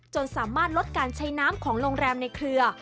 จนสามารถลดการใช้น้ำของโรงแรมในเครือ